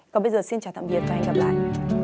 còn bây giờ xin chào tạm biệt và hẹn gặp lại